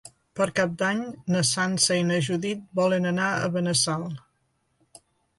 Per Cap d'Any na Sança i na Judit volen anar a Benassal.